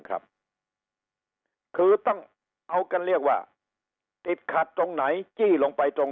ครับคือต้องเอากันเรียกว่าติดขัดตรงไหนจี้ลงไปตรง